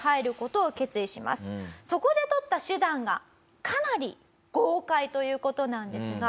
そこで取った手段がかなり豪快という事なんですが。